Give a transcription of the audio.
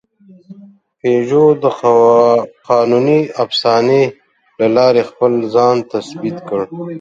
پيژو د قانوني افسانې له لارې خپل ځان تثبیت کړ.